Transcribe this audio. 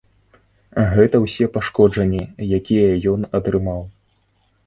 Гэта ўсе пашкоджанні, якія ён атрымаў.